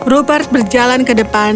rupert berjalan ke depan